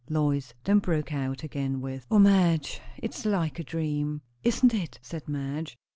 Lois then broke out again with, "O Madge, it's like a dream!" "Isn't it?" said Madge.